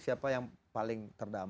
siapa yang paling terdampak